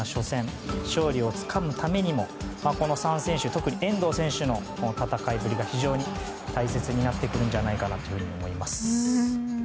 勝利をつかむためにもこの３選手、特に遠藤選手の戦いぶりが非常に大切になってくるんじゃないかなと思います。